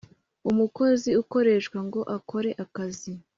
umukozi ukoreshwa ngo akore akazi